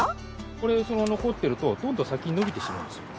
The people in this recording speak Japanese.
これそのまま残っているとどんどん先に伸びてしまうんですよ。